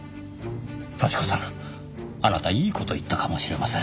幸子さんあなたいい事言ったかもしれません。